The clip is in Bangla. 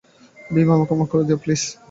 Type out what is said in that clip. বেবি, আমাকে মাফ করে দাও, প্লিজ।